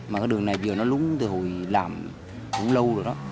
mà cái đường này giờ nó lún từ hồi làm cũng lâu rồi đó